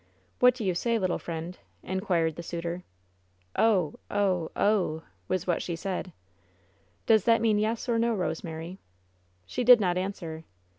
"What do you say, little friend ?" inquired the suitor. "Oh, oh, oh!" was what she said. "Does that mean yes or no, Kosemary ?" She did not answer.